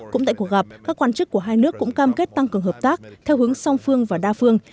cũng tại cuộc gặp các quan chức của hai nước cũng cam kết tăng cường hợp tác theo hướng song phương và đa phương